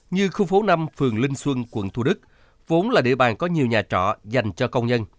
như khu phố năm phường linh xuân quận thu đức vốn là địa bàn có nhiều nhà trọ dành cho công nhân